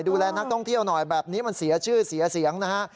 ดูแลนักท่องเที่ยวหน่อยแบบนี้มันเสียชื่อเสียเสียงนะฮะ